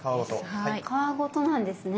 皮ごとなんですね。